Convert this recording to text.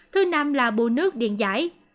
thứ năm là bù nước điện giải